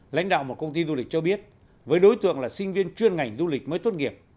lãnh đạo một công ty du lịch cho biết với đối tượng là sinh viên chuyên ngành du lịch mới tốt nghiệp